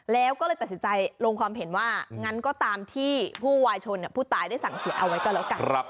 แล้วก็เลยตัดสินใจลงความเห็นว่างั้นก็ตามที่ผู้วายชนผู้ตายได้สั่งเสียเอาไว้ก็แล้วกัน